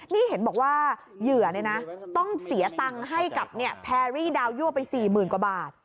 นี่เห็นบอกว่าเหยื่อต้องเสียตังค์ให้กับแพรรี่ดาวยั่วไป๔๐๐๐กว่าบาท